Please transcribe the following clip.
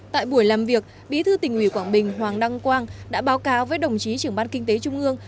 tại buổi làm việc bí thư tỉnh ủy quảng bình hoàng đăng quang đã báo cáo với đồng chí trưởng ban kinh tế trung ương